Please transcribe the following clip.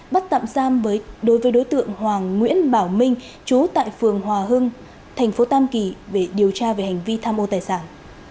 bắt tạm giam đối với đối tượng hoàng nguyễn bảo minh trú tại phường hòa hưng thành phố tam kỳ để điều tra về hành vi tham ô tài sản